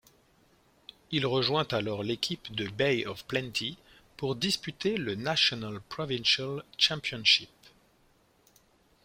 Il rejoint alors l'équipe de Bay of Plenty pour disputer le National Provincial Championship.